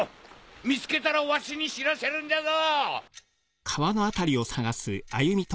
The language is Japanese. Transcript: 見つけたらわしに知らせるんじゃぞ！